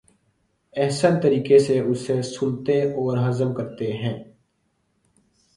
احسن طریقے سے اسے سنتے اور ہضم کرتے ہیں۔